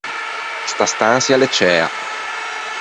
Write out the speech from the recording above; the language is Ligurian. Sta stançia a l’é ciæa.